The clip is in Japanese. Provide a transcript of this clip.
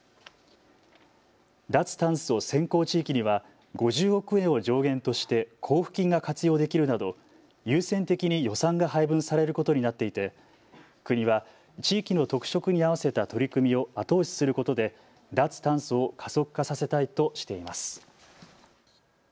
脱炭素先行地域には５０億円を上限として交付金が活用できるなど優先的に予算が配分されることになっていて国は地域の特色に合わせた取り組みを後押しすることで脱炭素を加速化させたいとしています。